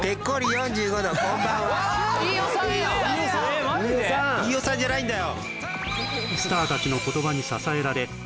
飯尾さん飯尾さんじゃないんだよ